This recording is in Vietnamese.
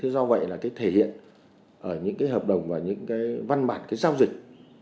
do vậy là thể hiện ở những hợp đồng và những văn bản giao dịch